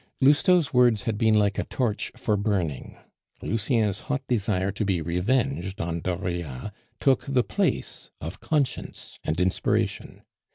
Lousteau's words had been like a torch for burning; Lucien's hot desire to be revenged on Dauriat took the place of conscience and inspiration.